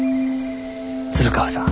鶴川さん。